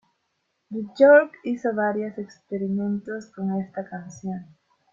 Björk hizo varios experimentos con esta canción.